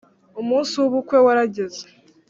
umunsi w’ubukwe warageze